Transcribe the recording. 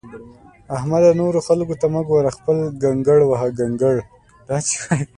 احمده! نورو خلګو ته مه ګوره؛ خپل کنګړ وهه کنکړ!